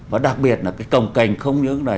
và đặc biệt là cái cồng cảnh không những là